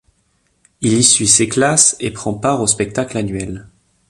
Il y suit ses classes et prend part aux spectacles annuels.